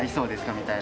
みたいな。